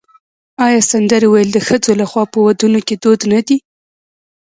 آیا سندرې ویل د ښځو لخوا په ودونو کې دود نه دی؟